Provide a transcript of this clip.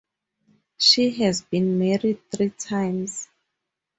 She has been married three times.